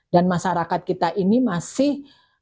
dan masyarakat kita ini masih